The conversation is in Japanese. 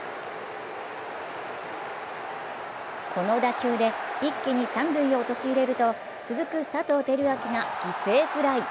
この打球で一気に三塁を陥れると、続く佐藤輝明が犠牲フライ。